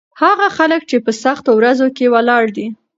هغه خلک چې په سختو ورځو کې ولاړ دي.